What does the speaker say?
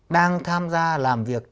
đang tham gia làm việc